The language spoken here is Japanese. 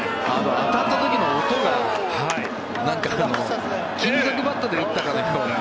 当たった時の音が金属バットで打ったかのような。